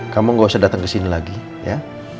kamu gak usah datang kesini lagi ya